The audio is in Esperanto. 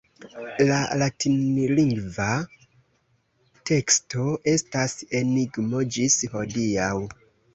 La latinlingva teksto estas enigmo ĝis hodiaŭ.